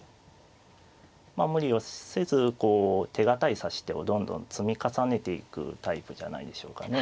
まあ無理をせずこう手堅い指し手をどんどん積み重ねていくタイプじゃないでしょうかね。